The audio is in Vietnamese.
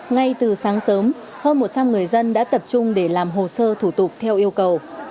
ngay từ sáng sớm hơn một trăm linh người dân đã tập trung để làm hồ sơ thủ tục theo yêu cầu